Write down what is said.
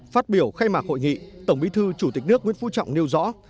phát biểu khai mạc hội nghị tổng bí thư chủ tịch nước nguyễn phú trọng nêu rõ